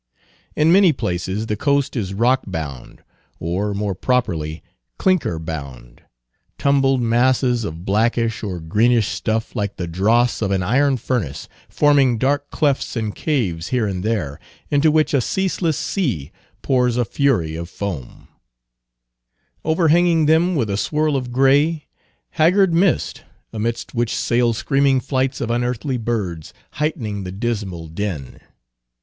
In many places the coast is rock bound, or, more properly, clinker bound; tumbled masses of blackish or greenish stuff like the dross of an iron furnace, forming dark clefts and caves here and there, into which a ceaseless sea pours a fury of foam; overhanging them with a swirl of gray, haggard mist, amidst which sail screaming flights of unearthly birds heightening the dismal din.